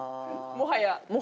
もはや。